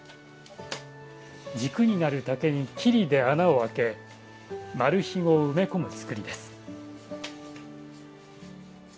軸になる竹にキリで穴を開け丸ひごを埋め込むつくりです。